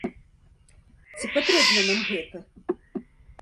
Ці патрэбна нам гэта?